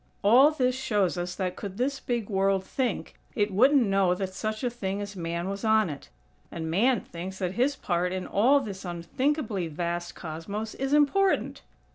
All this shows us that could this big World think, it wouldn't know that such a thing as Man was on it. And Man thinks that his part in all this unthinkably vast Cosmos is important!!